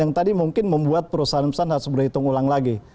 yang tadi mungkin membuat perusahaan perusahaan harus berhitung ulang lagi